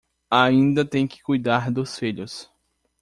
Ainda tem que cuidar dos filhos